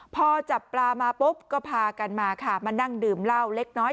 พอจับปลามาปุ๊บก็พากันมาค่ะมานั่งดื่มเหล้าเล็กน้อย